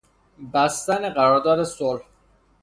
بستن قرار داد صلح